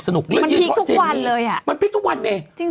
มันพลิกทุกวันเลยอ่ะมันพลิกทุกวันไหมจริง